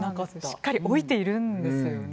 しっかり老いているんですよね。